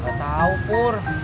gak tau pur